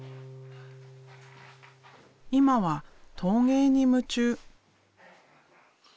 今は陶芸に夢中。